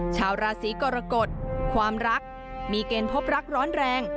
ชาวราศีกรกฎความรักมีเกณฑ์พบรักร้อนแรง